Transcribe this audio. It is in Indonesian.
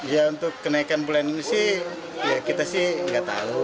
ya untuk kenaikan bulan ini sih ya kita sih nggak tahu